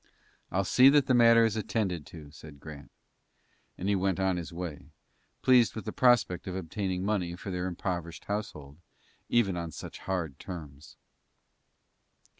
"I'll see that the matter is attended to," said Grant, and he went on his way, pleased with the prospect of obtaining money for their impoverished household, even on such hard terms.